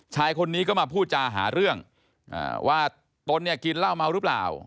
ชายคนนี้ก็มาพูดจาหาเรื่องว่าตนเนี่ยกินเหล้าเมาหรือเปล่า